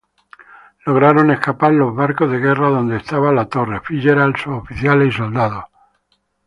Lograron escapar los barcos de guerra donde estaban Latorre, Fitzgerald, sus oficiales y soldados.